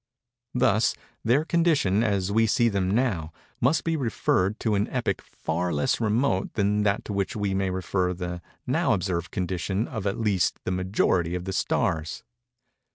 Thus, their condition, as we see them now, must be referred to an epoch far less remote than that to which we may refer the now observed condition of at least the majority of the stars.